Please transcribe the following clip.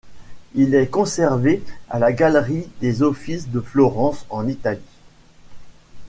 Il est conservé à la galerie des Offices de Florence, en Italie.